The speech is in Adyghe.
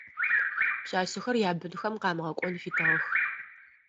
Пшъашъэхэр ябынхэм къамыгъэкӏон фитыгъэх.